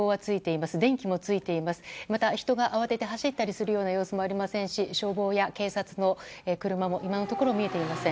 また、人が慌てて走ったりするような様子もなく消防や警察の車も今のところ見えていません。